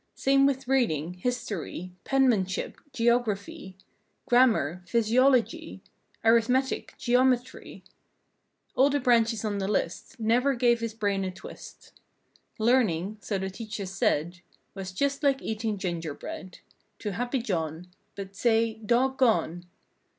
Same with reading—history Penmanship—geographj^— Grammar—physiology— Arithmetic—geometry— All the branches on the list Never gave his brain a twist. Learning—so the teachers said Was just like eating ginger bread To "Happy John;" But say, dog gone!